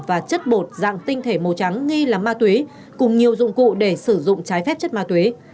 và chất bột dạng tinh thể màu trắng nghi là ma túy cùng nhiều dụng cụ để sử dụng trái phép chất ma túy